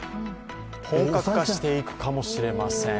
本格化していくかもしれません。